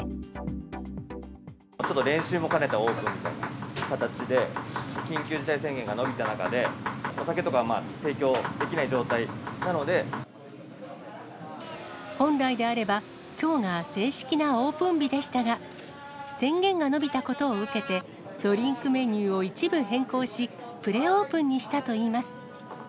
ちょっと練習も兼ねたオープンという形で、緊急事態宣言が延びた中で、本来であれば、きょうが正式なオープン日でしたが、宣言が延びたことを受けて、ドリンクメニューを一部変更し、プレオープンにしたといいます。